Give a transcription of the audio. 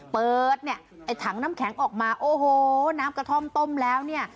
เปิดเนี่ยไอ้ถังน้ำแข็งออกมาโอ้โหน้ำกระท่อมต้มแล้วเนี่ย